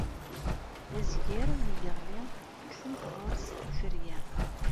Azger, mi iɣli, ggtent ɣer-s tferya.